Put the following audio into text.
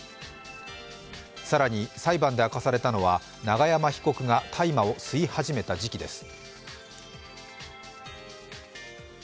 更に裁判で明かされたのは、永山被告が大麻を吸い始めた時期です。